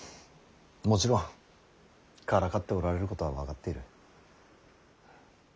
もちろんからかっておられることは分かっている。